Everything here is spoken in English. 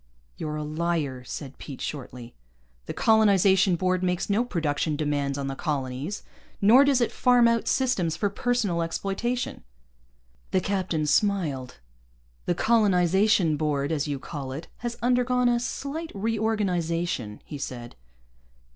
"You're a liar," said Pete shortly. "The Colonization Board makes no production demands on the colonies. Nor does it farm out systems for personal exploitation." The captain smiled. "The Colonization Board, as you call it, has undergone a slight reorganization," he said.